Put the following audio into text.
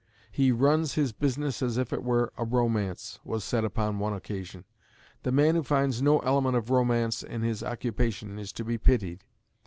He "runs his business as if it were a romance," was said upon one occasion. The man who finds no element of romance in his occupation is to be pitied.